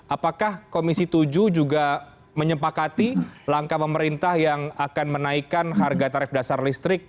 apakah komisi tujuh juga menyepakati langkah pemerintah yang akan menaikkan harga tarif dasar listrik